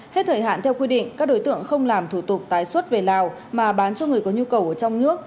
hết thời hạn theo quy định các đối tượng không làm thủ tục tái xuất về lào mà bán cho người có nhu cầu ở trong nước